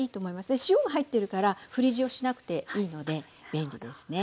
で塩が入ってるから振り塩しなくていいので便利ですね。